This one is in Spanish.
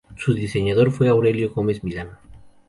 Su diseñador fue Aurelio Gómez Millán.